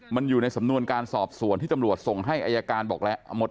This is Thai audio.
มันอยู่ในสำนวนการสอบสวนที่ตำรวจส่งให้อายการบอกแล้ว